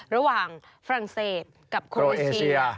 ระหว่างฝรั่งเศสกับโครเอเชีย